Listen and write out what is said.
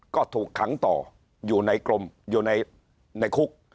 ก็ถูกขังต่ออยู่ในกรมอยู่ในคุก